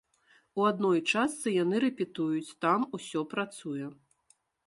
У адной частцы яны рэпетуюць, там усе працуе.